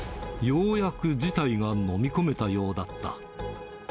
ようやく事態がのみ込めたようだった。